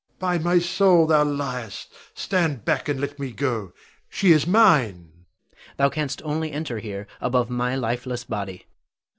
By my soul, thou liest! Stand back and let me go. She is mine! Adrian. Thou canst only enter here above my lifeless body.